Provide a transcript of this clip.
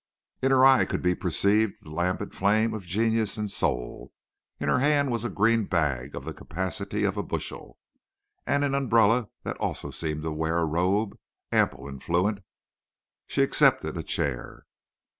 In her eye could be perceived the lambent flame of genius and soul. In her hand was a green bag of the capacity of a bushel, and an umbrella that also seemed to wear a robe, ample and fluent. She accepted a chair.